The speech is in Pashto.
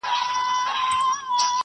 خان له ډېره وخته خر او آس لرله ..